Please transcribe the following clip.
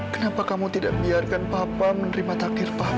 kenapa kamu tidak biarkan papa menerima takdir papa